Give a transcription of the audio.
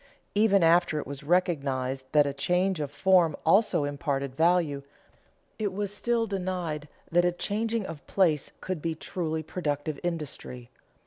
Even after it was recognized that a change of form also imparted value, it was still denied that a changing of place could be truly productive industry.